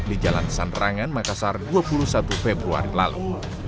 di jalan sanderangan makassar dua puluh satu februari lalu